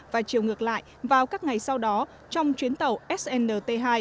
và chiều ngược lại vào các ngày sau đó trong chuyến tàu snt hai